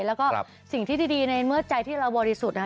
แล้วก็สิ่งที่ดีในเมื่อใจที่เราบริสุทธิ์นะคะ